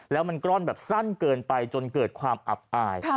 แล้วมันก้อนแบบสั้นเกินไปจนเกิดความอับอาย